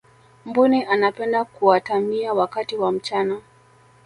mbuni anapenda kuatamia wakati wa mchana